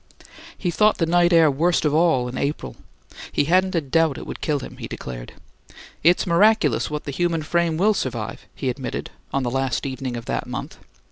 He thought the night air worst of all in April; he hadn't a doubt it would kill him, he declared. "It's miraculous what the human frame WILL survive," he admitted on the last evening of that month.